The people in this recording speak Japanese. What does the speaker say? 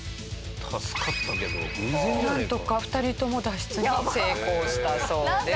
なんとか２人とも脱出に成功したそうです。